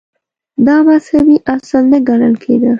• دا مذهبي اصل نه ګڼل کېده.